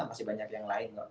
masih banyak yang lain